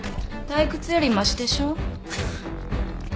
退屈よりましでしょ？